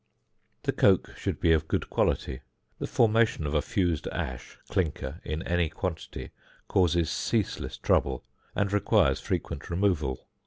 10.] The coke used should be of good quality; the formation of a fused ash (clinker), in any quantity, causes ceaseless trouble, and requires frequent removal.